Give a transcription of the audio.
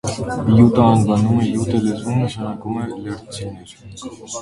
«Յուտա» անվանումը յուտե լեզվում նշանակում է «լեռնցիներ»։